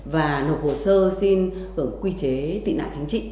và nộp hồ sơ xin hưởng quy chế tị nạn chính trị